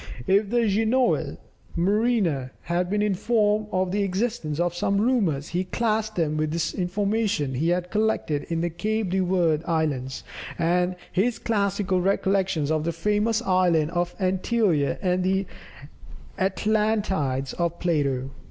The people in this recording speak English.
If the Genoese mariner had been informed of the existence of some rumours, he classed them with the information he had collected in the Cape de Verd Islands and with his classical recollections of the famous Island of Antilia and the Atlantides of Plato.